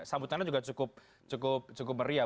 sambutan juga cukup meriah